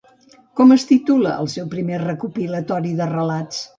Com es titula el seu primer recopilatori de relats?